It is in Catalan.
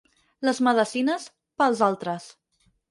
Les medecines, pels altres.